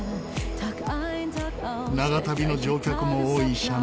長旅の乗客も多い車内。